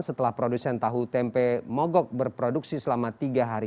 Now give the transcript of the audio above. setelah produsen tahu tempe mogok berproduksi selama tiga hari